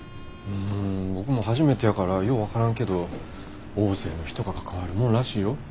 うん僕も初めてやからよう分からんけど大勢の人が関わるもんらしいよ。